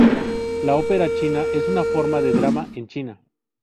La ópera china es una forma de drama en China.